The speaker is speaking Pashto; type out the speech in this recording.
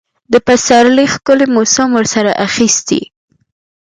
د پسرلي ښکلي موسم ورسره اخیستی.